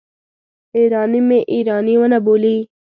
ایراني مې ایراني ونه بولي.